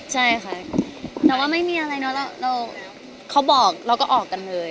ใช่ค่ะแต่ว่าไม่มีอะไรเนอะเราเขาบอกเราก็ออกกันเลย